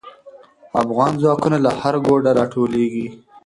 افغان ځواکونه له هر ګوټه راټولېږي.